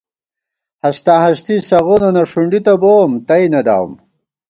ہستاہستی سغوننہ ݭُنڈی تہ بوم، تئ نہ داوُم